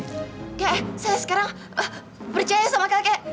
kak saya sekarang percaya sama kakek